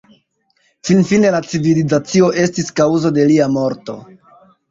Finfine la civilizacio estis kaŭzo de lia morto.